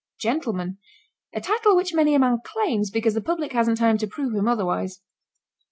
GENTLEMAN. A title which many a man claims because the public hasn't time to prove him otherwise.